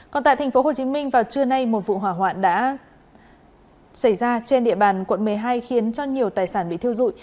còn tại tp hcm vào trưa nay một vụ hỏa hoạn đã xảy ra trên địa bàn quận một mươi hai khiến cho nhiều tài sản bị thiêu dụi